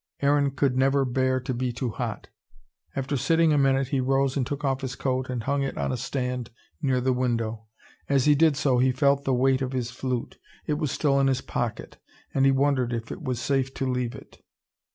Aaron could never bear to be too hot. After sitting a minute, he rose and took off his coat, and hung it on a stand near the window. As he did so he felt the weight of his flute it was still in his pocket. And he wondered if it was safe to leave it.